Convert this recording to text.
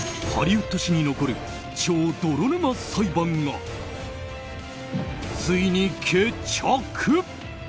ハリウッド史に残る超泥沼裁判がついに決着。